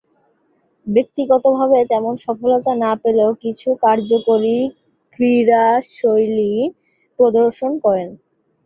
ব্যক্তিগতভাবে তেমন সফলতা না পেলেও কিছু কার্যকরী ক্রীড়াশৈলী প্রদর্শন করেন।